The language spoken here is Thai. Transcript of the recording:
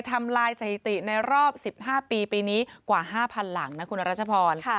ทำลายสถิติในรอบ๑๕ปีปีนี้กว่า๕๐๐๐หลังนะคุณรัชพร